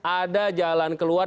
ada jalan keluar